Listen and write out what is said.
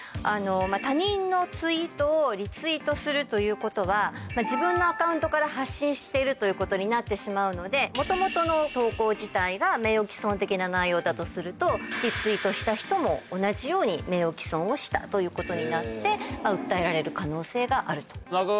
まぁ他人のツイートをリツイートするということは自分のアカウントから発信しているということになってしまうのでもともとの投稿自体が名誉毀損的な内容だとするとリツイートした人も同じように名誉毀損をしたということになって。